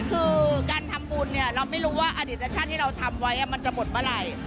คือการทำบุญเนี่ยเราไม่รู้ว่าอดิตชาติที่เราทำไว้มันจะหมดเมื่อไหร่